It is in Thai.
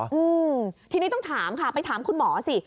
อืมทีนี้ต้องถามค่ะไปถามคุณหมอสิ